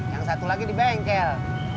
yang satu lagi di bengkel